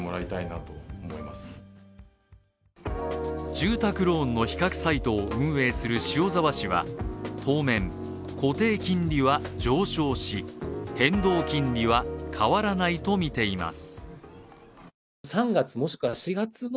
住宅ローンの比較サイトを運営する塩澤氏は当面、固定金利は上昇し、変動金利は変わらないとみています。